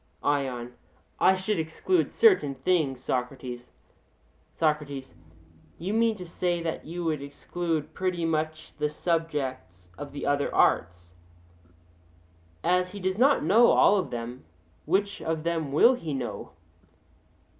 ION: I should exclude certain things, Socrates. SOCRATES: You mean to say that you would exclude pretty much the subjects of the other arts. As he does not know all of them, which of them will he know?